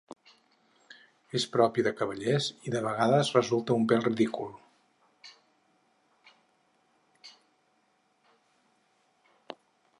És propi de cavallers i de vegades resulta un pèl ridícul.